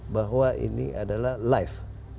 bahwa ini adalah live